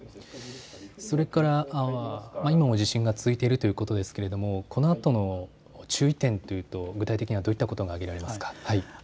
それから今も地震が続いているということですが、このあとの注意点、具体的にはどういったことが挙げられますか。